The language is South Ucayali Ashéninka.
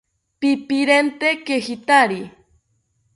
¡Pipirente kejitaki!